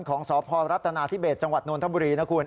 ของสพรัฐนาธิเบสจังหวัดนทบุรีนะคุณ